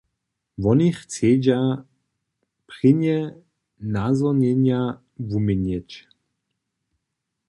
Woni chcedźa prěnje nazhonjenja wuměnjeć.